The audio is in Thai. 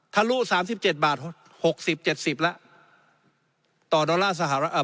ทะลุสามสิบเจ็ดบาทหกสิบเจ็ดสิบแล้วต่อดอลลาร์สหรัฐอ่า